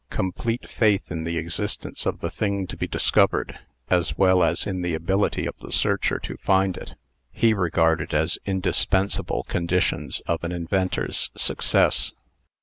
Complete faith in the existence of the thing to be discovered, as well as in the ability of the searcher to find it, he regarded as indispensable conditions of an inventor's success.